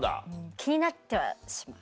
気になってはしまう。